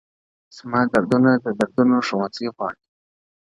o زما دردونه د دردونو ښوونځی غواړي،